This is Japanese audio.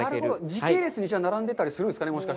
時系列に並んでたりするんですかね。